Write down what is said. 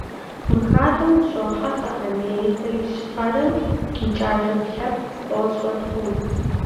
Мы хадэм ущрохьэлӀэ Америкэ Ищхъэрэм къикӀа жыг лъэпкъ тӏощӏрэ тхум.